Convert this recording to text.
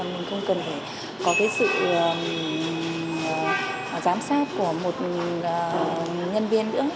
mình không cần phải có cái sự giám sát của một nhân viên nữa